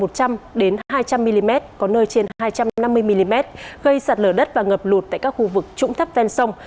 mưa lớn phổ biến từ một trăm linh mm có nơi trên hai trăm năm mươi mm gây sạt lở đất và ngập lụt tại các khu vực trũng thấp ven sông